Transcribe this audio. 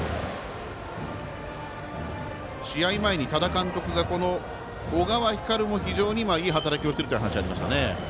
試合前に多田監督はこの小川輝が非常に今、いい働きをしているという話をしていましたね。